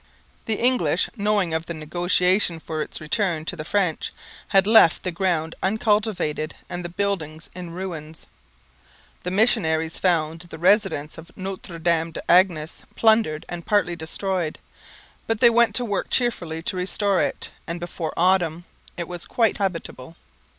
The English, knowing of the negotiations for its return to the French, had left the ground uncultivated and the buildings in ruins. The missionaries found the residence of Notre Dame des Anges plundered and partly destroyed; but they went to work cheerfully to restore it, and before autumn it was quite habitable.